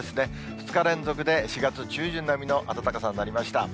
２日連続で４月中旬並みの暖かさになりました。